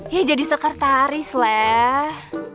ya jadi sekretaris leh